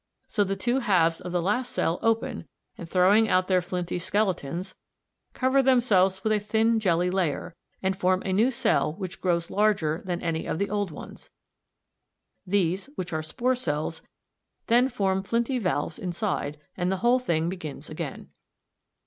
So the two halves of the last cell open, and throwing out their flinty skeletons, cover themselves with a thin jelly layer, and form a new cell which grows larger than any of the old ones. These, which are spore cells, then form flinty valves inside, and the whole thing begins again.